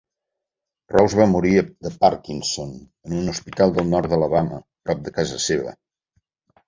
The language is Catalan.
Rose va morir de Parkinson en un hospital del nord d'Alabama prop de casa seva.